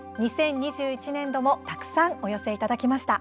２０２１年度も、たくさんお寄せいただきました。